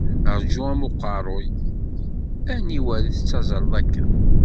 Rǧu am uqerruy, aniwer i tettazzaleḍ akka?